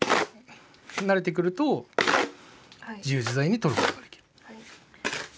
慣れてくると自由自在に取ることができる。